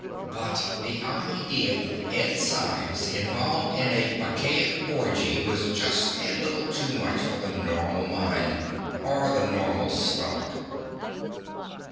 But the idea of Ed Symes involved in a Bacchic orgy was just a little too much for the normal mind, or the normal stomach.